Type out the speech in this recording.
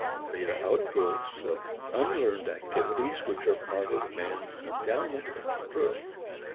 They are outgrowths of unlearned activities which are part of man's endowment at birth.